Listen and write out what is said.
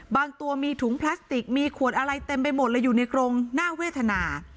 ตัวมีถุงพลาสติกมีขวดอะไรเต็มไปหมดเลยอยู่ในกรงน่าเวทนา